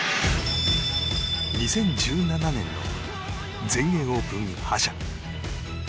２０１７年の全英オープン覇者。